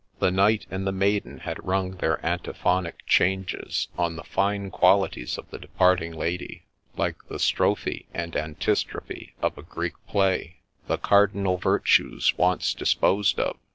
The knight and the maiden had rung their antiphonic changes on the fine qualities of the departing Lady, like the Strophe and Antistrophe of a Greek play. The cardinal virtues once disposed of.